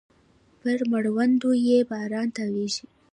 پر مړوندونو يې باران تاویږې